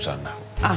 ああ。